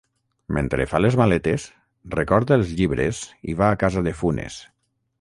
Mentre fa les maletes, recorda els llibres i va a casa de Funes.